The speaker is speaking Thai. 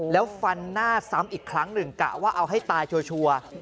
แล้วฟันหน้าซ้ำอีกครั้งหนึ่งกะว่าเอาให้ตายชัวร์